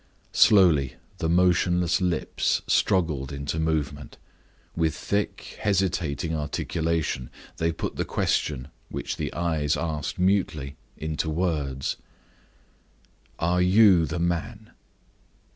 Slowly the motionless lips struggled into movement. With thick, hesitating articulation, they put the question which the eyes asked mutely, into words: "Are you the man?"